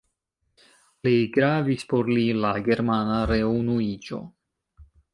Plej gravis por li la Germana reunuiĝo.